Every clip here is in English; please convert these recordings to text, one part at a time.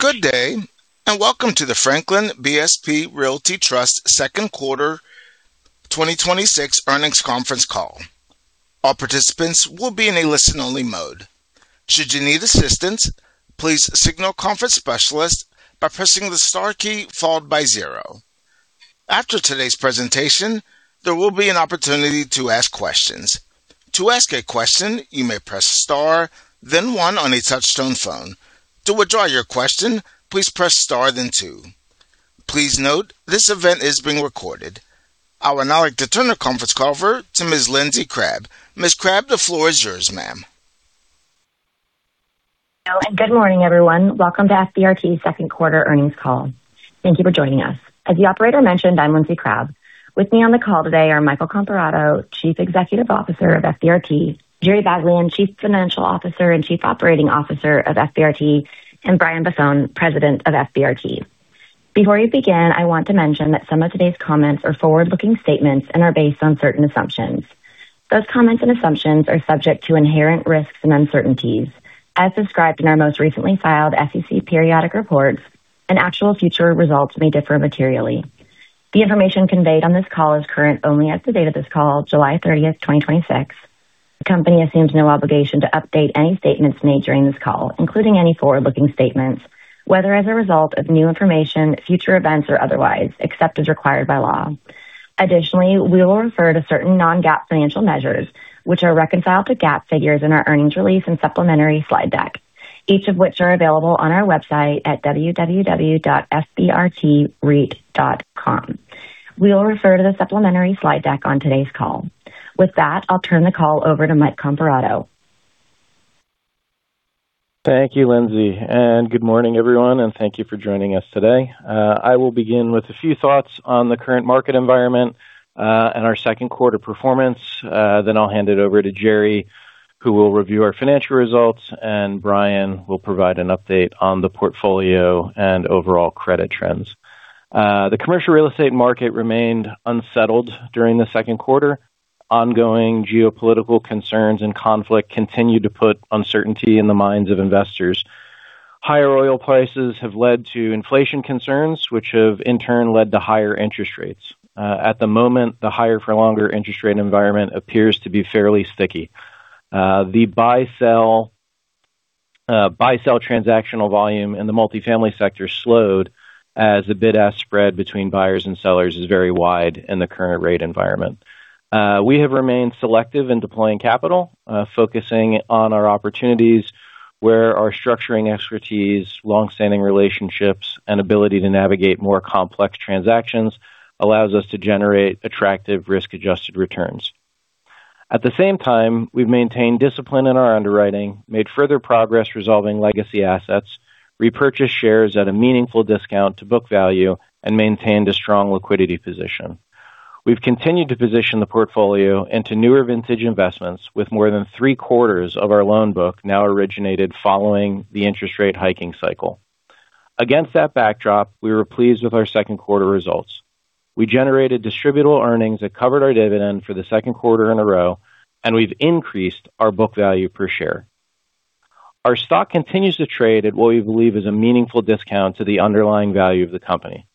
Good day. Welcome to the Franklin BSP Realty Trust second quarter 2026 earnings conference call. All participants will be in listen-only mode. Should you need assistance, please signal to the conference specialist by pressing the star key followed by zero. After today's presentation, there will be an opportunity to ask questions. To ask a question, you may press star, then one on a touchtone phone. To withdraw your question, please press star, then two. Please note, this event is being recorded. I would now like to turn the conference call over to Ms. Lindsey Crabbe. Ms. Crabbe, the floor is yours, ma'am. Hello. Good morning, everyone. Welcome to FBRT's second quarter earnings call. Thank you for joining us. As the operator mentioned, I'm Lindsey Crabbe. With me on the call today are Michael Comparato, Chief Executive Officer of FBRT; Jerry Baglien, Chief Financial Officer and Chief Operating Officer of FBRT; and Brian Buffone, President of FBRT. Before we begin, I want to mention that some of today's comments are forward-looking statements and are based on certain assumptions. Those comments and assumptions are subject to inherent risks and uncertainties as described in our most recently filed SEC periodic reports, and actual future results may differ materially. The information conveyed on this call is current only as of the date of this call, July 30th, 2026. The company assumes no obligation to update any statements made during this call, including any forward-looking statements, whether as a result of new information, future events, or otherwise, except as required by law. Additionally, we will refer to certain non-GAAP financial measures, which are reconciled to GAAP figures in our earnings release and supplementary slide deck, each of which is available on our website at www.fbrtreit.com. We will refer to the supplementary slide deck on today's call. With that, I'll turn the call over to Mike Comparato. Thank you, Lindsey. Good morning, everyone. Thank you for joining us today. I will begin with a few thoughts on the current market environment and our second quarter performance. I'll hand it over to Jerry, who will review our financial results, and Brian will provide an update on the portfolio and overall credit trends. The commercial real estate market remained unsettled during the second quarter. Ongoing geopolitical concerns and conflict continued to put uncertainty in the minds of investors. Higher oil prices have led to inflation concerns, which have in turn led to higher interest rates. At the moment, the higher-for-longer interest rate environment appears to be fairly sticky. The buy-sell transactional volume in the multifamily sector slowed as the bid-ask spread between buyers and sellers is very wide in the current rate environment. We have remained selective in deploying capital, focusing on our opportunities where our structuring expertise, long-standing relationships, and ability to navigate more complex transactions allow us to generate attractive risk-adjusted returns. At the same time, we've maintained discipline in our underwriting, made further progress resolving legacy assets, repurchased shares at a meaningful discount to book value, and maintained a strong liquidity position. We've continued to position the portfolio into newer vintage investments, with more than three-quarters of our loan book now originated following the interest rate hiking cycle. Against that backdrop, we were pleased with our second quarter results. We generated distributable earnings that covered our dividend for the second quarter in a row, and we've increased our book value per share. Our stock continues to trade at what we believe is a meaningful discount to the underlying value of the company.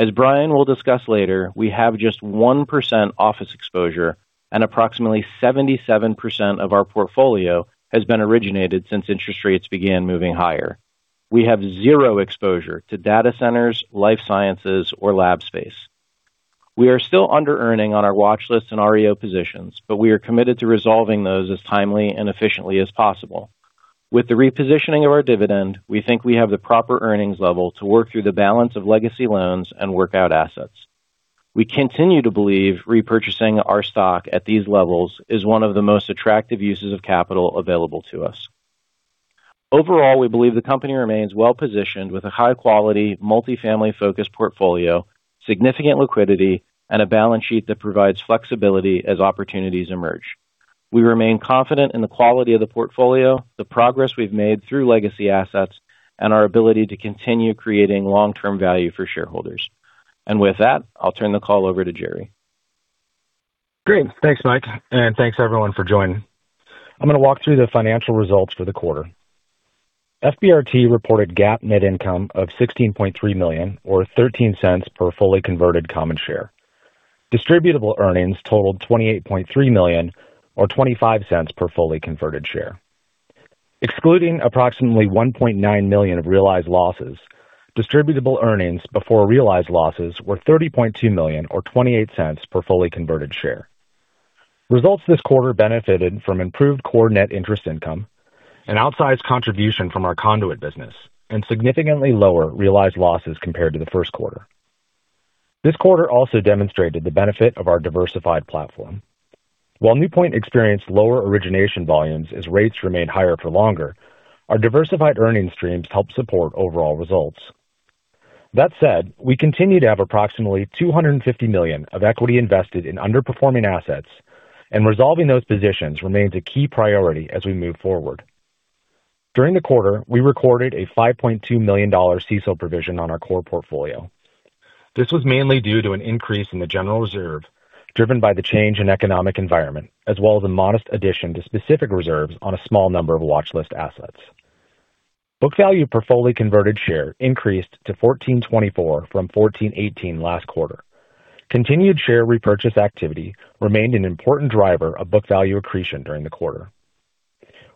As Brian will discuss later, we have just 1% office exposure and approximately 77% of our portfolio has been originated since interest rates began moving higher. We have zero exposure to data centers, life sciences, or lab space. We are still under-earning on our watchlist and REO positions; we are committed to resolving those as timely and efficiently as possible. With the repositioning of our dividend, we think we have the proper earnings level to work through the balance of legacy loans and work-out assets. We continue to believe repurchasing our stock at these levels is one of the most attractive uses of capital available to us. Overall, we believe the company remains well-positioned with a high-quality, multi-family focused portfolio, significant liquidity, and a balance sheet that provides flexibility as opportunities emerge. We remain confident in the quality of the portfolio, the progress we've made through legacy assets, and our ability to continue creating long-term value for shareholders. With that, I'll turn the call over to Jerry. Great. Thanks, Mike, thanks everyone for joining. I'm going to walk through the financial results for the quarter. FBRT reported GAAP net income of $16.3 million or $0.13 per fully converted common share. Distributable earnings totaled $28.3 million or $0.25 per fully converted share. Excluding approximately $1.9 million of realized losses, distributable earnings before realized losses were $30.2 million or $0.28 per fully converted share. Results this quarter benefited from improved core net interest income, an outsized contribution from our conduit business, and significantly lower realized losses compared to the first quarter. This quarter also demonstrated the benefit of our diversified platform. While NewPoint experienced lower origination volumes as rates remained higher for longer, our diversified earnings streams helped support overall results. That said, we continue to have approximately $250 million of equity invested in underperforming assets, and resolving those positions remains a key priority as we move forward. During the quarter, we recorded a $5.2 million CECL provision on our core portfolio. This was mainly due to an increase in the general reserve driven by the change in the economic environment, as well as a modest addition to specific reserves on a small number of watch list assets. Book value per fully converted share increased to $14.24 from $14.18 last quarter. Continued share repurchase activity remained an important driver of book value accretion during the quarter.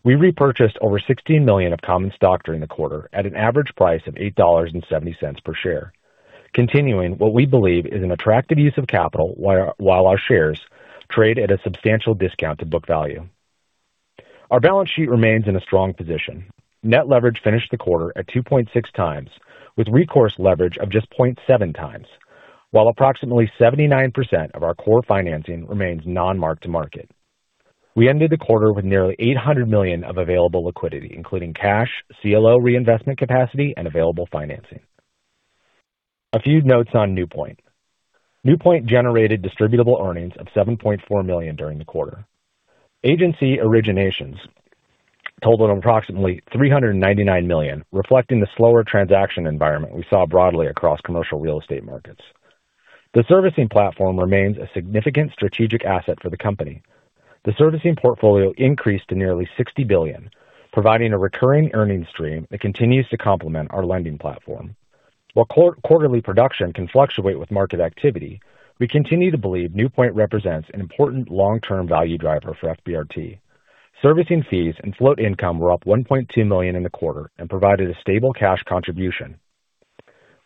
We repurchased over $16 million of common stock during the quarter at an average price of $8.70 per share. Continuing what we believe is an attractive use of capital while our shares trade at a substantial discount to book value. Our balance sheet remains in a strong position. Net leverage finished the quarter at 2.6x, with recourse leverage of just 0.7x. While approximately 79% of our core financing remains non-mark-to-market. We ended the quarter with nearly $800 million of available liquidity, including cash, CLO reinvestment capacity, and available financing. A few notes on NewPoint. NewPoint generated distributable earnings of $7.4 million during the quarter. Agency originations totaled approximately $399 million, reflecting the slower transaction environment we saw broadly across commercial real estate markets. The servicing platform remains a significant strategic asset for the company. The servicing portfolio increased to nearly $60 billion, providing a recurring earnings stream that continues to complement our lending platform. While quarterly production can fluctuate with market activity, we continue to believe NewPoint represents an important long-term value driver for FBRT. Servicing fees and float income were up $1.2 million in the quarter and provided a stable cash contribution.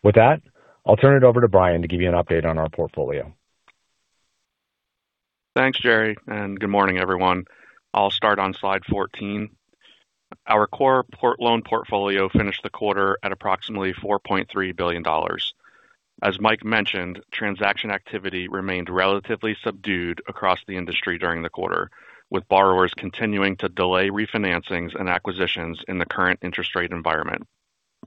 With that, I'll turn it over to Brian to give you an update on our portfolio. Thanks, Jerry, and good morning, everyone. I'll start on slide 14. Our core loan portfolio finished the quarter at approximately $4.3 billion. As Mike mentioned, transaction activity remained relatively subdued across the industry during the quarter, with borrowers continuing to delay refinancings and acquisitions in the current interest rate environment.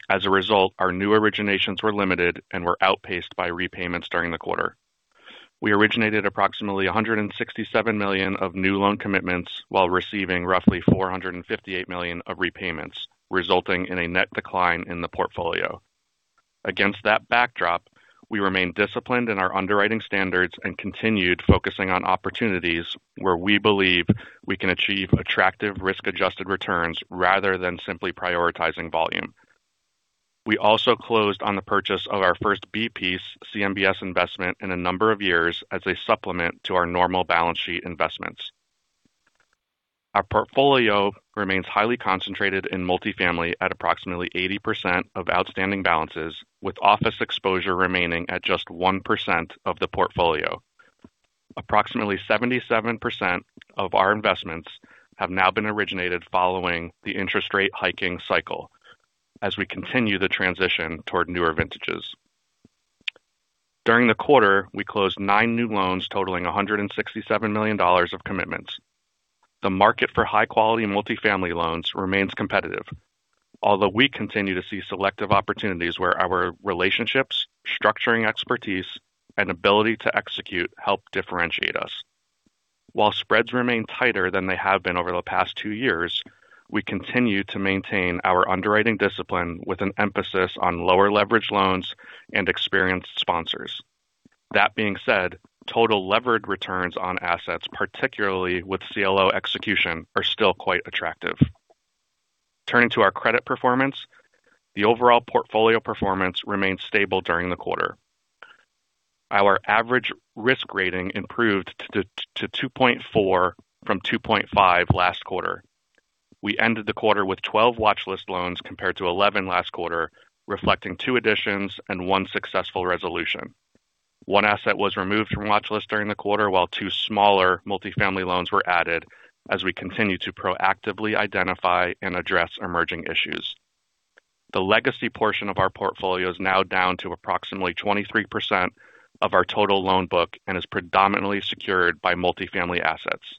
As a result, our new originations were limited and were outpaced by repayments during the quarter. We originated approximately $167 million of new loan commitments while receiving roughly $458 million of repayments, resulting in a net decline in the portfolio. Against that backdrop, we remain disciplined in our underwriting standards and continue to focus on opportunities where we believe we can achieve attractive risk-adjusted returns rather than simply prioritizing volume. We also closed on the purchase of our first B-piece CMBS investment in a number of years as a supplement to our normal balance sheet investments. Our portfolio remains highly concentrated in multifamily at approximately 80% of outstanding balances, with office exposure remaining at just 1% of the portfolio. Approximately 77% of our investments have now been originated following the interest rate hiking cycle as we continue the transition toward newer vintages. During the quarter, we closed nine new loans totaling $167 million of commitments. The market for high-quality multifamily loans remains competitive, although we continue to see selective opportunities where our relationships, structuring expertise, and ability to execute help differentiate us. While spreads remain tighter than they have been over the past two years, we continue to maintain our underwriting discipline with an emphasis on lower-leverage loans and experienced sponsors. That being said, total levered returns on assets, particularly with CLO execution, are still quite attractive. Turning to our credit performance, the overall portfolio performance remained stable during the quarter. Our average risk rating improved to 2.4 from 2.5 last quarter. We ended the quarter with 12 watch list loans compared to 11 last quarter, reflecting two additions and one successful resolution. One asset was removed from the watch list during the quarter, while two smaller multifamily loans were added as we continue to proactively identify and address emerging issues. The legacy portion of our portfolio is now down to approximately 23% of our total loan book and is predominantly secured by multifamily assets.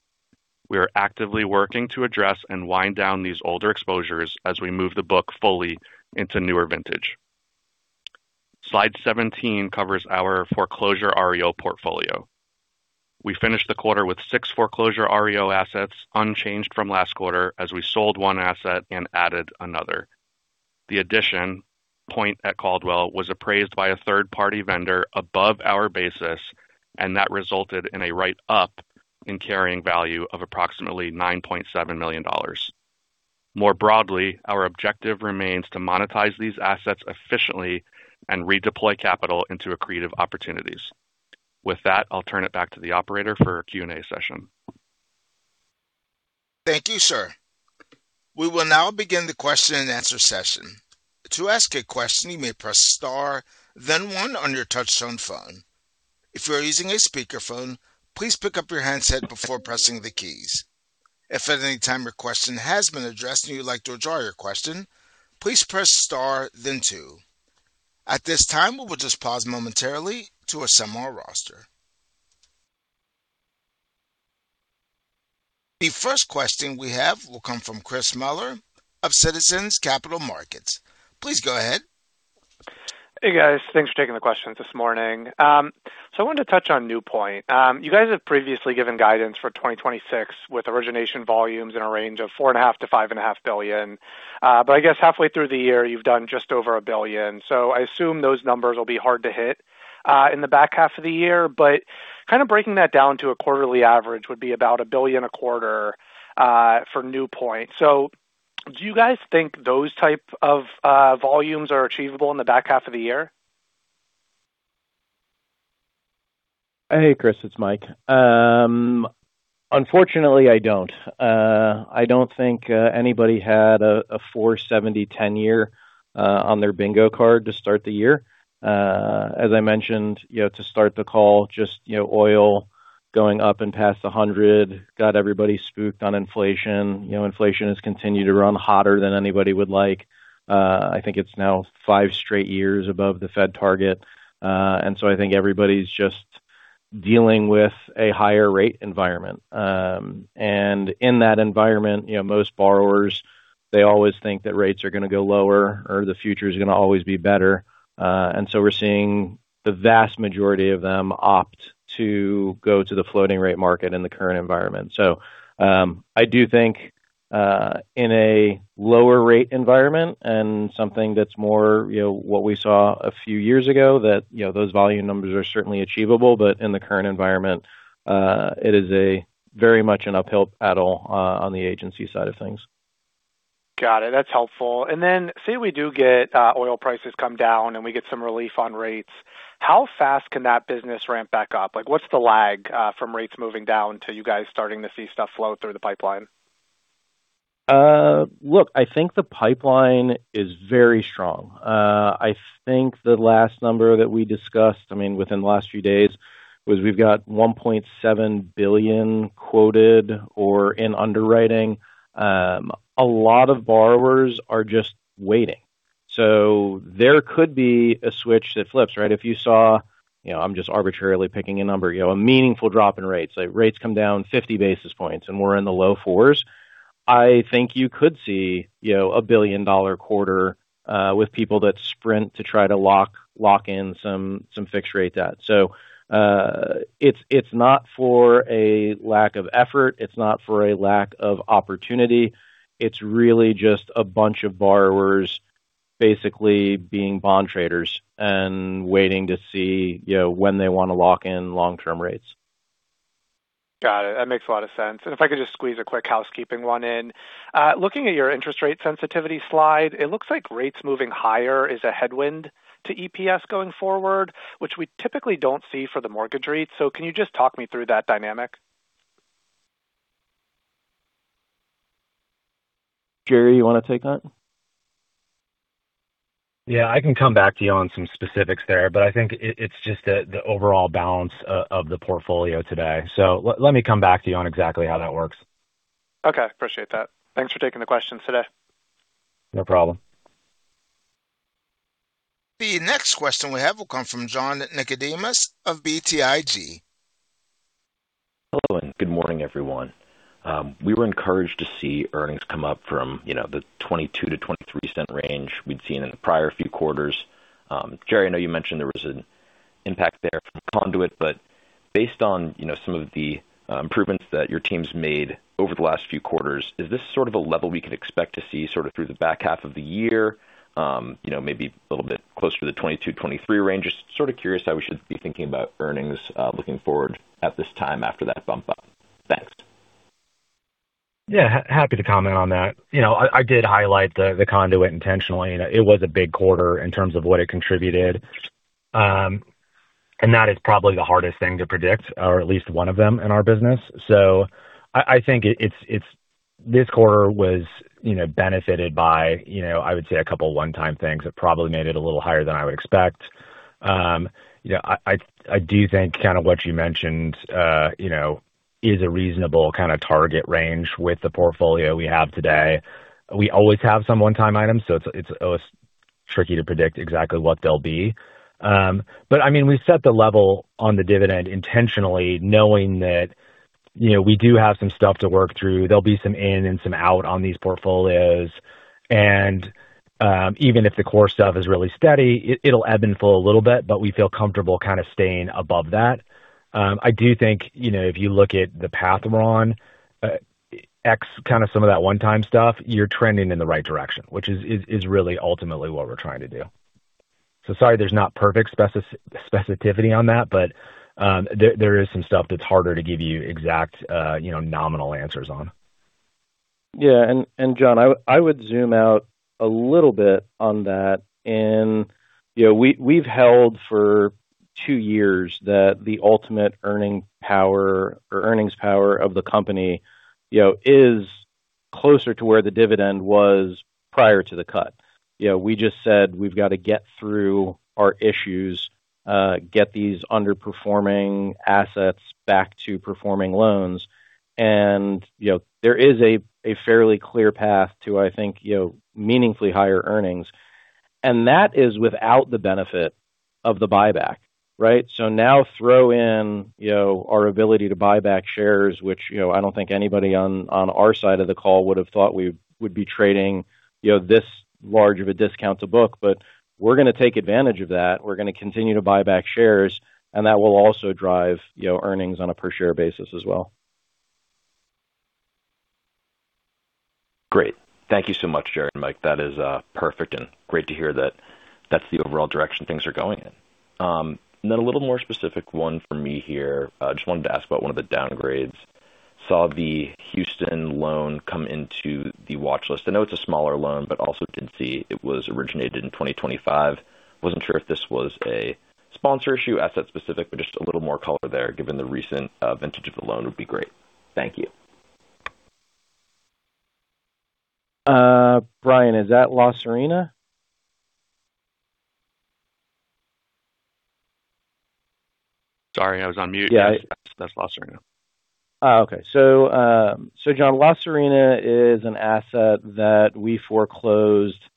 We are actively working to address and wind down these older exposures as we move the book fully into newer vintage. Slide 17 covers our foreclosure REO portfolio. We finished the quarter with six foreclosure REO assets unchanged from last quarter as we sold one asset and added another. The addition, Point at Caldwell, was appraised by a third-party vendor above our basis, and that resulted in a write-up in carrying value of approximately $9.7 million. More broadly, our objective remains to monetize these assets efficiently and redeploy capital into accretive opportunities. With that, I'll turn it back to the operator for our Q&A session. Thank you, sir. We will now begin the question-and-answer session. To ask a question, you may press star then one on your touchtone phone. If you are using a speakerphone, please pick up your handset before pressing the keys. If at any time your question has been addressed and you'd like to withdraw your question, please press star then two. At this time, we will just pause momentarily to assemble our roster. The first question we have will come from Chris Muller of Citizens Capital Markets. Please go ahead. Hey guys, thanks for taking the questions this morning. I wanted to touch on NewPoint. You guys have previously given guidance for 2026 with origination volumes in a range of four and a half to five and a half billion. I guess halfway through the year you've done just over $1 billion. I assume those numbers will be hard to hit in the back half of the year. Kind of breaking that down to a quarterly average would be about $1 billion a quarter for NewPoint. Do you guys think those types of volumes are achievable in the back half of the year? Hey, Chris, it's Mike. Unfortunately, I don't. I don't think anybody had a 470 10-year on their bingo card to start the year. As I mentioned to start the call, just oil going up and past 100 got everybody spooked on inflation. Inflation has continued to run hotter than anybody would like. I think it's now five straight years above the Fed target. I think everybody's just dealing with a higher rate environment. In that environment, most borrowers, they always think that rates are going to go lower or the future is going to always be better. We're seeing the vast majority of them opt to go to the floating rate market in the current environment. I do think in a lower rate environment and something that's more what we saw a few years ago, that those volume numbers are certainly achievable. In the current environment, it is very much an uphill battle on the agency side of things. Got it. That's helpful. Say we do get oil prices to come down and we get some relief on rates. How fast can that business ramp back up? What's the lag from rates moving down to you guys starting to see stuff flow through the pipeline? Look, I think the pipeline is very strong. I think the last number that we discussed within the last few days was we've got $1.7 billion quoted or in underwriting. A lot of borrowers are just waiting. There could be a switch that flips, right? If you saw, I'm just arbitrarily picking a number, a meaningful drop in rates. Like rates come down 50 basis points and we're in the low 4s. I think you could see a $1 billion quarter with people that sprint to try to lock in some fixed-rate debt. It's not for a lack of effort. It's not for a lack of opportunity. It's really just a bunch of borrowers basically being bond traders and waiting to see when they want to lock in long-term rates. Got it. That makes a lot of sense. If I could just squeeze a quick housekeeping one in. Looking at your interest rate sensitivity slide, it looks like rates moving higher is a headwind to EPS going forward, which we typically don't see for the mortgage REIT. Can you just talk me through that dynamic? Jerry, you want to take that? Yeah, I can come back to you on some specifics there. I think it's just the overall balance of the portfolio today. Let me come back to you on exactly how that works. Okay. Appreciate that. Thanks for taking the questions today. No problem. The next question we have will come from John Nickodemus of BTIG. Hello, good morning, everyone. We were encouraged to see earnings come up from the $0.22-$0.23 range we'd seen in the prior few quarters. Jerry, I know you mentioned there was an impact there from Conduit, but based on some of the improvements that your team's made over the last few quarters, is this sort of a level we can expect to see sort of through the back half of the year? Maybe a little bit closer to the $0.22-$0.23 range? Just sort of curious how we should be thinking about earnings looking forward at this time after that bump up. Thanks. Yeah. Happy to comment on that. I did highlight the Conduit intentionally, and it was a big quarter in terms of what it contributed. That is probably the hardest thing to predict, or at least one of them in our business. I think this quarter benefited from, I would say, a couple of one-time things that probably made it a little higher than I would expect. I do think kind of what you mentioned is a reasonable kind of target range with the portfolio we have today. We always have some one-time items, so it's always tricky to predict exactly what they'll be. We set the level on the dividend intentionally, knowing that we do have some stuff to work through. There'll be some in and some out on these portfolios. Even if the core stuff is really steady, it'll ebb and flow a little bit, but we feel comfortable kind of staying above that. I do think if you look at the path we're on, ex-some of that one-time stuff, you're trending in the right direction, which is really ultimately what we're trying to do. Sorry there's not perfect specificity on that, but there is some stuff that's harder to give you exact nominal answers on. Yeah. John, I would zoom out a little bit on that. We've held for two years that the ultimate earning power or earnings power of the company is closer to where the dividend was prior to the cut. We just said we've got to get through our issues, get these underperforming assets back to performing loans. There is a fairly clear path to meaningfully higher earnings. That is without the benefit of the buyback, right? Now throw in our ability to buy back shares, which I don't think anybody on our side of the call would've thought we would be trading this large of a discount to book. We're going to take advantage of that. We're going to continue to buy back shares, and that will also drive earnings on a per-share basis as well. Great. Thank you so much, Jerry and Mike. That is perfect and great to hear that that's the overall direction things are going in. A little more specific one for me here. Just wanted to ask about one of the downgrades. Saw the Houston loan come into the watchlist. I know it's a smaller loan, but also didn't see it was originated in 2025. Wasn't sure if this was a sponsor issue, asset specific, but just a little more color there,, given the recent vintage of the loan would be great. Thank you. Brian, is that La Serena? Sorry, I was on mute. Yeah. That's La Serena. Okay. John, La Serena is an asset that we foreclosed on,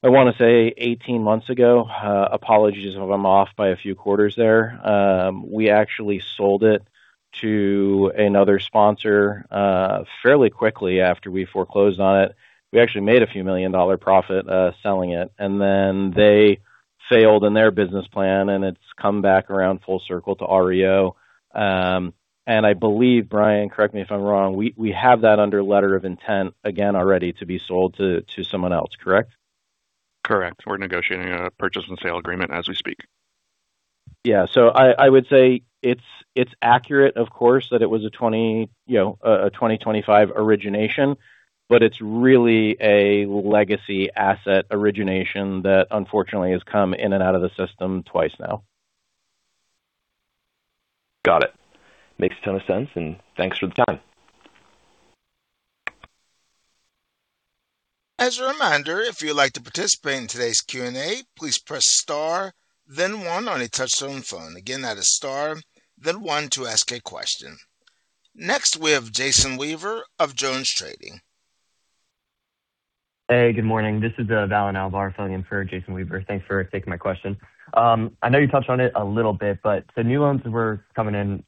I want to say 18 months ago. Apologies if I'm off by a few quarters there. We actually sold it to another sponsor fairly quickly after we foreclosed on it. We actually made a few million-dollar profit selling it, then they failed in their business plan, and it's come back around full circle to REO. I believe, Brian, correct me if I'm wrong, we have that under a letter of intent again already to be sold to someone else, correct? Correct. We're negotiating a purchase and sale agreement as we speak. Yeah. I would say it's accurate, of course, that it was a 2025 origination, but it's really a legacy asset origination that unfortunately has come in and out of the system twice now. Got it. Makes a ton of sense, and thanks for the time. As a reminder, if you'd like to participate in today's Q&A, please press star then one on a touch-tone phone. Again, that is star then one to ask a question. Next we have Jason Weaver of JonesTrading. Hey, good morning. This is Val Alvar filling in for Jason Weaver. Thanks for taking my question. I know you touched on it a little bit, but the new loans were coming in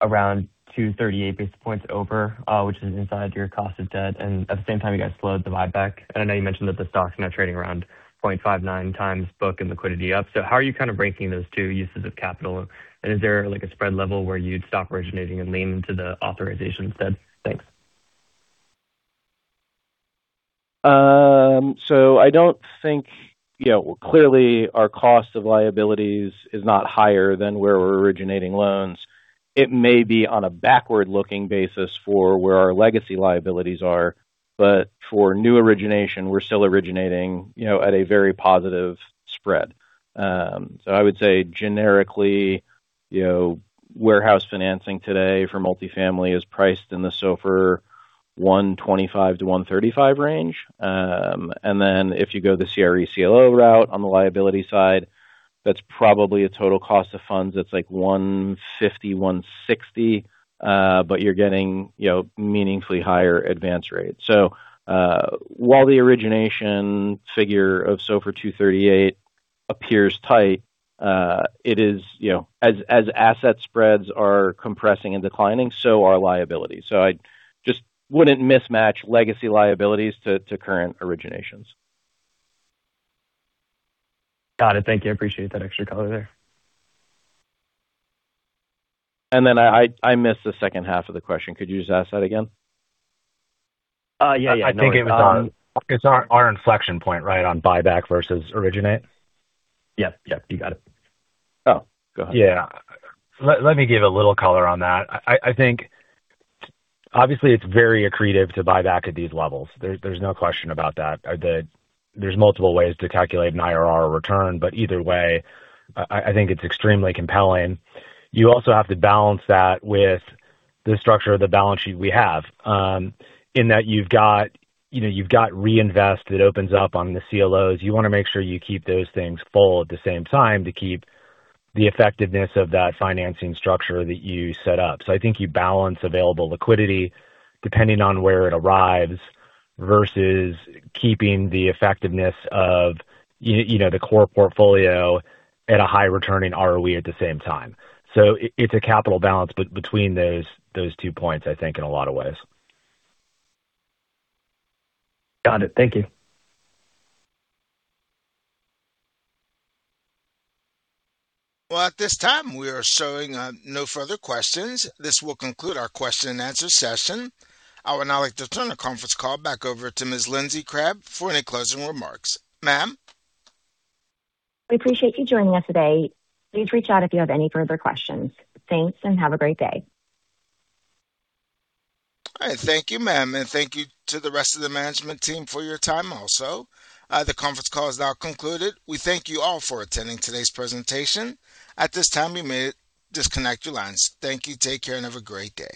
around 238 basis points over, which is inside your cost of debt. At the same time, you guys slowed the buyback. I know you mentioned that the stock's now trading around 0.59x book and liquidity up. How are you kind of ranking those two uses of capital, and is there like a spread level where you'd stop originating and lean into the authorization instead? Thanks. Clearly our cost of liabilities is not higher than where we're originating loans. It may be on a backward-looking basis for where our legacy liabilities are, but for new origination, we're still originating at a very positive spread. I would say generically, warehouse financing today for multifamily is priced in the SOFR 125-135 range. If you go the CRE CLO route on the liability side, that's probably a total cost of funds that's like 150, 160, but you're getting meaningfully higher advance rates. While the origination figure of SOFR 238 appears tight, as asset spreads are compressing and declining, so are liabilities. I just wouldn't mismatch legacy liabilities to current originations. Got it. Thank you. I appreciate that extra color there. I missed the second half of the question. Could you just ask that again? Yeah. I think it was on our inflection point, right, on buyback versus originate. Yep. You got it. Go ahead. Yeah. Let me give a little color on that. I think obviously it's very accretive to buy back at these levels. There's no question about that. There are multiple ways to calculate an IRR or return; either way, I think it's extremely compelling. You also have to balance that with the structure of the balance sheet we have, in that you've got reinvestment that opens up on the CLOs. You want to make sure you keep those things full at the same time to keep the effectiveness of that financing structure that you set up. I think you balance available liquidity depending on where it arrives versus keeping the effectiveness of the core portfolio at a high-returning ROE at the same time. It's a capital balance between those two points, I think in a lot of ways. Got it. Thank you. Well, at this time, we are showing no further questions. This will conclude our question-and-answer session. I would now like to turn the conference call back over to Ms. Lindsey Crabbe for any closing remarks. Ma'am? We appreciate you joining us today. Please reach out if you have any further questions. Thanks, and have a great day. All right. Thank you, ma'am. Thank you to the rest of the management team for your time also. The conference call is now concluded. We thank you all for attending today's presentation. At this time, you may disconnect your lines. Thank you, take care, and have a great day.